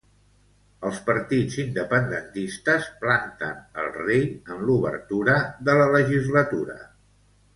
Els partits independentistes planten el rei en l'obertura de la legislatura.